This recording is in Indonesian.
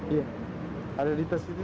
iya ada di tas itu